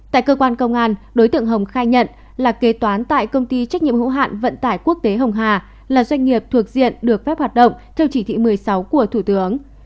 tại cơ quan công an đối tượng hồng khai nhận là kế toán tại công ty trách nhiệm hữu hạn vận tải quốc tế hồng hà là doanh nghiệp thuộc diện được phép hoạt động theo chỉ thị một mươi sáu của thủ tướng